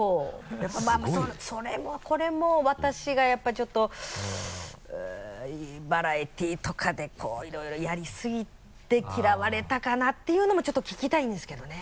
やっぱそれもこれも私がやっぱちょっとバラエティーとかでこういろいろやりすぎて嫌われたかなっていうのもちょっと聞きたいんですけどね。